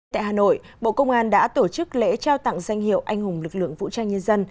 tại hà nội bộ công an đã tổ chức lễ trao tặng danh hiệu anh hùng lực lượng vũ trang nhân dân